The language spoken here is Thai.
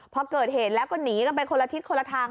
พอเกิดเหตุแล้วก็หนีกันไปคนละทิศคนละทาง